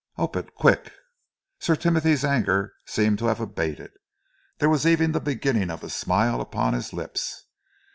'Op it, quick!" Sir Timothy's anger seemed to have abated. There was even the beginning of a smile upon his lips.